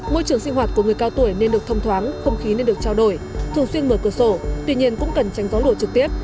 môi trường sinh hoạt của người cao tuổi nên được thông thoáng không khí nên được trao đổi thường xuyên mở cửa sổ tuy nhiên cũng cần tránh gió lùa trực tiếp